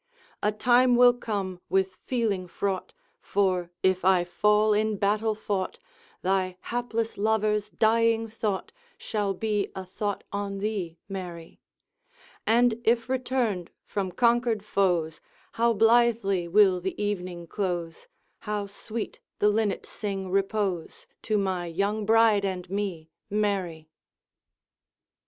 A time will come with feeling fraught, For, if I fall in battle fought, Thy hapless lover's dying thought Shall be a thought on thee, Mary. And if returned from conquered foes, How blithely will the evening close, How sweet the linnet sing repose, To my young bride and me, Mary!